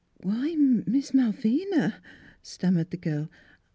W IV HY, Miss Malvina !" stammered the girl.